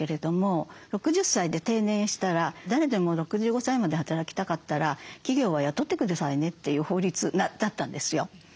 ６０歳で定年したら誰でも６５歳まで働きたかったら企業は雇って下さいねという法律だったんですよ。